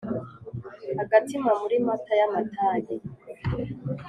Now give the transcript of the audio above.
agatima muri mata y’amatage.